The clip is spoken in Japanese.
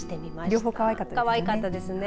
両方かわいかったですね。